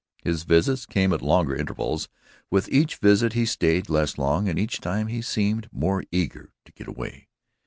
His visits came at longer intervals, with each visit he stayed less long, and each time he seemed more eager to get away.